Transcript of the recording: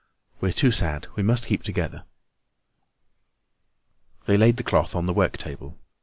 "We're too sad; we must keep together." They laid the cloth on the work table.